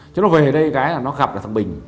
chứ nó về đây cái là nó gặp là thằng bình